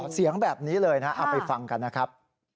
เสียงแบบนี้เลยนะเอาไปฟังกันนะครับ